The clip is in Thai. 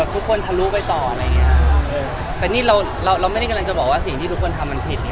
ทุกคนทะลุไปต่ออะไรอย่างเงี้ยแต่นี่เราเราไม่ได้กำลังจะบอกว่าสิ่งที่ทุกคนทำมันผิดไง